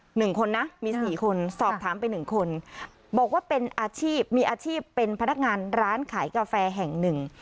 หนึ่งคนนะมีสี่คนสอบถามไปหนึ่งคนบอกว่าเป็นอาชีพมีอาชีพเป็นพนักงานร้านขายกาแฟแห่งหนึ่ง